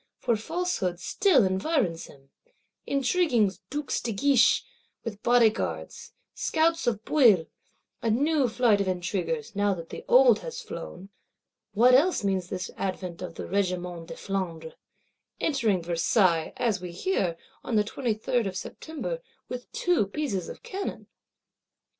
For falsehood still environs him; intriguing Dukes de Guiche, with Bodyguards; scouts of Bouillé; a new flight of intriguers, now that the old is flown. What else means this advent of the Regiment de Flandre; entering Versailles, as we hear, on the 23rd of September, with two pieces of cannon?